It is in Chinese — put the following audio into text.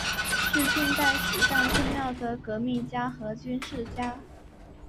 是近代史上重要的革命家和军事家。